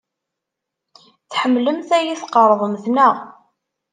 Tḥemmlemt ad iyi-tqerḍemt, naɣ?